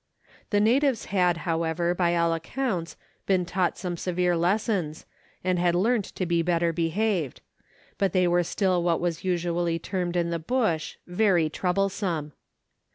The natives had, however, by all accounts, been taught some severe lessons, and had learnt to be better behaved ; but they were still what was usually termed in the bush "very troublesome."